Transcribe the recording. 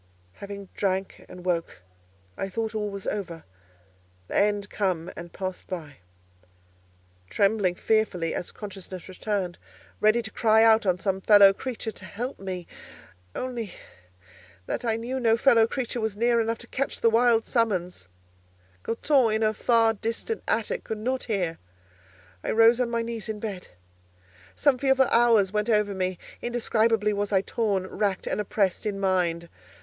Having drank and woke, I thought all was over: the end come and past by. Trembling fearfully—as consciousness returned—ready to cry out on some fellow creature to help me, only that I knew no fellow creature was near enough to catch the wild summons—Goton in her far distant attic could not hear—I rose on my knees in bed. Some fearful hours went over me: indescribably was I torn, racked and oppressed in mind.